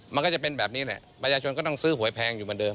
มันก็จะเป็นแบบนี้แหละประชาชนก็ต้องซื้อหวยแพงอยู่เหมือนเดิ